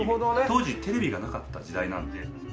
当時テレビがなかった時代なんで。